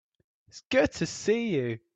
It's good to see you.